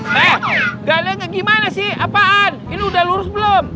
eh enggak denger gimana sih apaan ini udah lurus belum